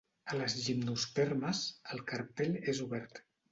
A les gimnospermes, el carpel és obert.